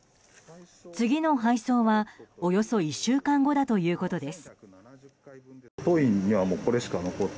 次の配送は、およそ１週間後だということです。